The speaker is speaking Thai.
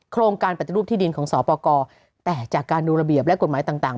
การปฏิรูปที่ดินของสปกรแต่จากการดูระเบียบและกฎหมายต่าง